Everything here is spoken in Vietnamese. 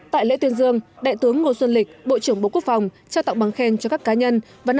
tại lễ tuyên dương đại tướng ngô xuân lịch bộ trưởng bộ quốc phòng trao tặng bằng khen cho các cá nhân